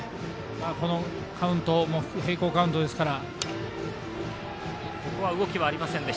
このカウント並行カウントですから。